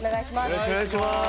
よろしくお願いします。